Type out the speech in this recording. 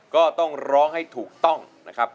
ก็ต้องร้องให้ถูกต้องนะครับ